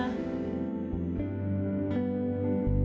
hmm anak itu